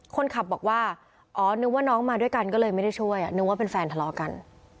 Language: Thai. คนขับบอกว่าอ๋อนึกว่าน้องมาด้วยกันก็เลยไม่ได้ช่วยนึกว่าเป็นแฟนทะเลาะกัน